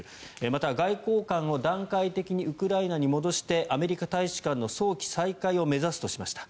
また、外交官を段階的にウクライナに戻してアメリカ大使館の早期再開を目指すとしました。